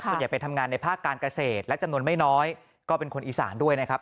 ไปทำงานในภาคการเกษตรและจำนวนไม่น้อยก็เป็นคนอีสานด้วยนะครับ